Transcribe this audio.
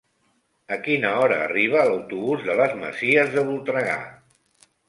A quina hora arriba l'autobús de les Masies de Voltregà?